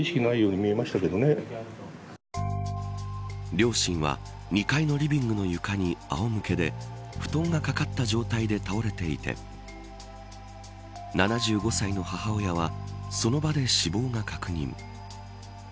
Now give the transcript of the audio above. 両親は２階のリビングの床にあおむけで布団がかかった状態で倒れていて７５歳の母親はその場で死亡が確認。